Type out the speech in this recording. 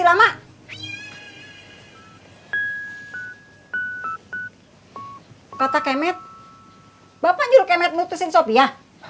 anakku lebih istimewa